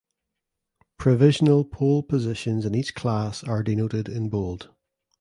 Provisional pole positions in each class are denoted in bold.